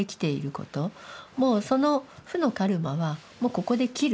もうその負のカルマはもうここで切る。